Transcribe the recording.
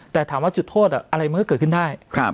แต่ถามว่าจุดโทษอะไรมันก็เกิดขึ้นได้